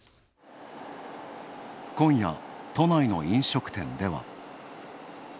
今夜都内の飲食店では。